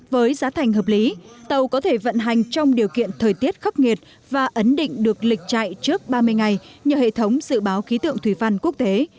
với giá thành hợp lý tàu có thể vận hành trong điều kiện thời tiết khắc nghiệt và ấn định được lịch chạy trước ba mươi ngày nhờ hệ thống dự báo khí tượng thủy văn quốc tế